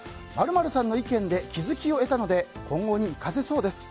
○○さんの意見で気づきを得たので今後に生かせそうです。